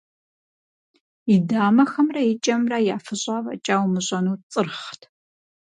И дамэхэмрэ и кӀэмрэ, яфыщӀа фӀэкӀа умыщӀэну, цӀырхът.